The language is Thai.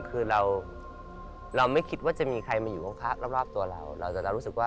คุณนั่ง๓ชั่วโมงเลยเหรอ